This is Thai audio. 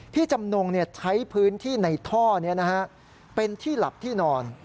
จำนงใช้พื้นที่ในท่อนี้เป็นที่หลับที่นอน